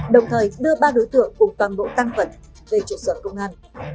đồng thời đưa ba đối tượng cùng toàn bộ tăng vật về trụ sở công an